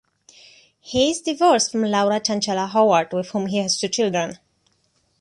He is divorced from Laura Cianciola Howard, with whom he has two children.